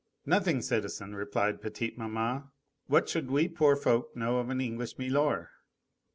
"Nothing, citizen," replied petite maman, "what should we poor folk know of an English milor?"